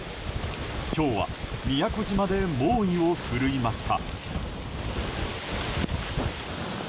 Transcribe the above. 今日は宮古島で猛威を振るいました。